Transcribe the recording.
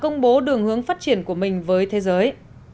công bố đường hướng phát triển của mình với thế giới